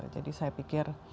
jadi saya pikir